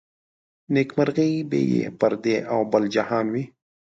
نيکمرغي به يې پر دې او بل جهان وي